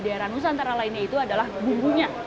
jadi di daerah nusa antara lainnya itu adalah bumbunya